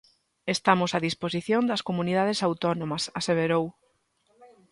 Estamos a disposición das comunidades autónomas, aseverou.